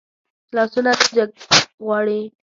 لاسونه نه جنګ غواړي